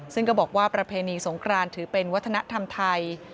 ซึ่งก็บอกว่าประเพณีสงครานถือเป็นวัฒนธรรมไทย